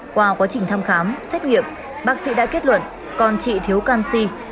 qua quá trình thăm khám xét nghiệm bác sĩ đã kết luận con chị thiếu canxi